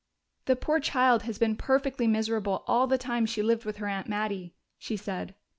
"The poor child has been perfectly miserable all the time she lived with her aunt Mattie," she said.